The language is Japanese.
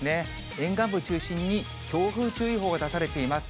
沿岸部中心に強風注意報が出されています。